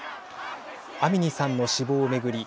アミニさんの死亡を巡り